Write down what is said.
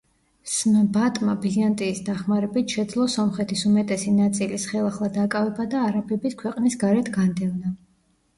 სმბატმა, ბიზანტიის დახმარებით, შეძლო სომხეთის უმეტესი ნაწილის ხელახლა დაკავება და არაბების ქვეყნის გარეთ განდევნა.